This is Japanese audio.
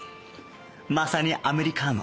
まさにアメリカーノ